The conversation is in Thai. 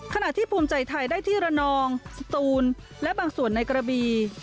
ขณะที่ภูมิใจไทยได้ที่ระนองสตูนและบางส่วนในกระบี